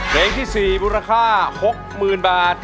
เพลงที่๔มูลค่าหกหมื่นบาท